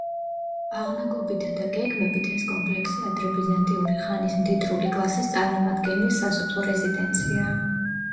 აღნაგობითა და გეგმებით ეს კომპლექსი ადრებიზანტიური ხანის მდიდრული კლასის წარმომადგენლის სასოფლო რეზიდენციაა.